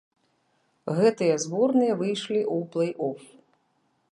Гэтыя зборныя выйшлі ў плэй-оф.